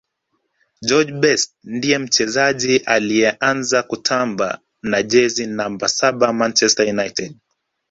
george best ndiye mchezaji aliyeanza kutamba na jezi namba saba manchester united